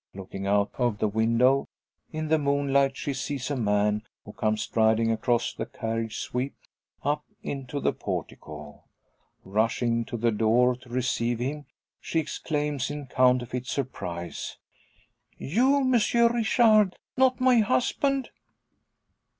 Looking out of the window, in the moonlight she sees a man, who comes striding across the carriage sweep, and up into the portico. Rushing to the door to receive him, she exclaims in counterfeit surprise "You, Monsieur Richard! Not my husband!"